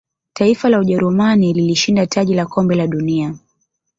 taifa la ujerumani lilishinda taji la kombe la dunia